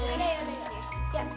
ada yang ada